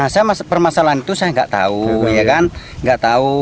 saya permasalahan itu saya tidak tahu